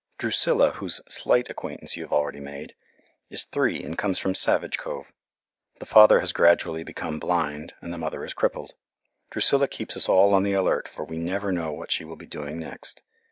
Drusilla, whose slight acquaintance you have already made, is three and comes from Savage Cove. The father has gradually become blind and the mother is crippled. Drusilla keeps us all on the alert, for we never know what she will be doing next.